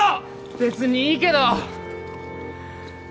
別にいいけど！